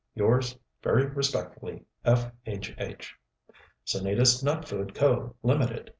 Yours very respectfully F. H. H. SANITAS NUT FOOD CO., Ltd.